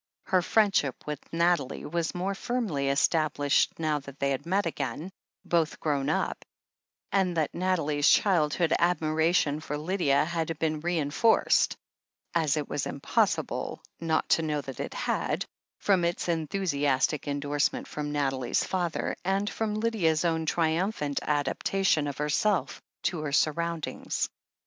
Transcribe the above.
Her friendship with Nathalie was more firmly established now that they had met again, both grown up, and that Nathalie's childish admiration for Lydia had been reinforced — ^as it was impossible not to know that it had — from its enthusiastic endorse ment from Nathalie's father, and from Lydia's own triumphant adaptation of herself to her surrotmdings.